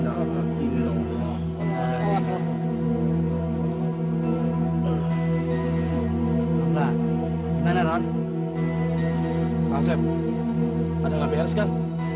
tapi lu tetep berantar arian